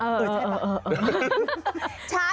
เออใช่ป่ะ